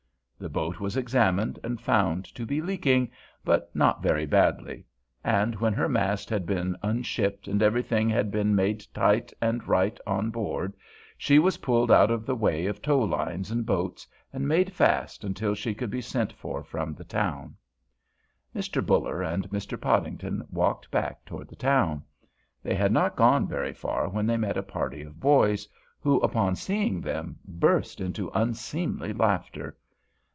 The boat was examined and found to be leaking, but not very badly, and when her mast had been unshipped and everything had been made tight and right on board, she was pulled out of the way of tow lines and boats, and made fast until she could be sent for from the town. Mr. Buller and Mr. Podington walked back toward the town. They had not gone very far when they met a party of boys, who, upon seeing them, burst into unseemly laughter.